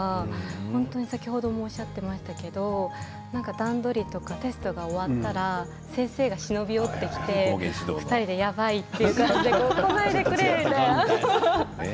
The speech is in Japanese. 本当に先ほどもおっしゃっていましたけれども段取りとかテストが終わったら先生が忍び寄ってきて２人で、やばいという感じで来ないでくれみたいな感じで。